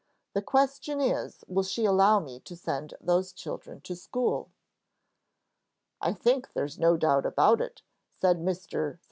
"The question is, Will she allow me to send these children to school?" "I think there's no doubt about it," said Mr. St.